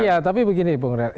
ya tapi begini bung reinhardt